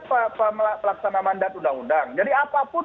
pelaksana mandat undang undang jadi apapun